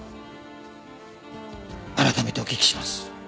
改めてお聞きします。